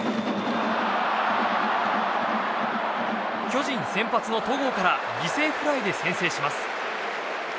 巨人先発の戸郷から犠牲フライで先制します。